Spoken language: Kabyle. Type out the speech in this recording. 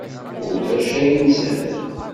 Ulac ayen i isehlen!